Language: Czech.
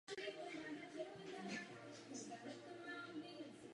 Dlouhou dobu diskutujeme o strategickém významu lodního stavitelství v Evropě.